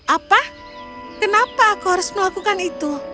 apa kenapa aku harus melakukan itu